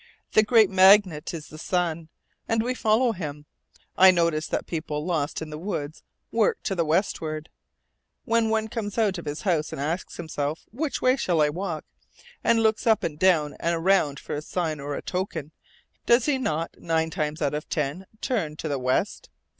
The great magnet is the sun, and we follow him. I notice that people lost in the woods work to the westward. When one comes out of his house and asks himself, "Which way shall I walk?" and looks up and down and around for a sign or a token, does he not nine times out of ten turn to the west?